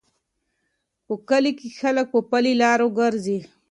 په کلي کې خلک په پلي لارو ګرځي.